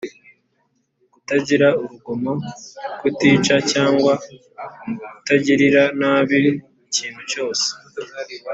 kutagira urugomo; kutica cyangwa kutagirira nabi ikintu cyose.